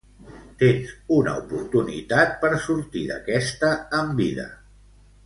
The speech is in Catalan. Tens una oportunitat per sortir d'aquesta amb vida!